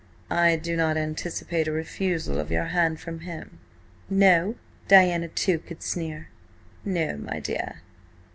"I do not anticipate a refusal of your hand from him." "No?" Diana, too, could sneer. "No, my dear.